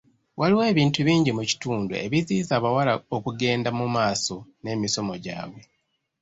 Waliwo ebintu bingi mu kitundu ebiziyiza abawala okugenda mu maaso n'emisomo gyabwe.